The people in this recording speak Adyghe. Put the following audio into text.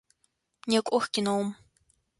Некӏох киноум!